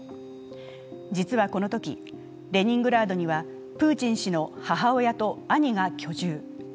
実はこのとき、レニングラードにはプーチン氏の母親と兄が居住。